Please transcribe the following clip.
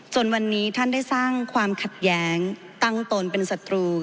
ส่วนวันนี้ท่านได้สร้างความขัดแย้งตั้งตนเป็นศัตรู